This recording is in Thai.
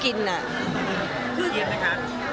เครียดไหมคะ